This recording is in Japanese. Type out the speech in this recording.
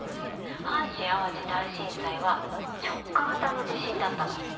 阪神・淡路大震災は直下型の地震だったの。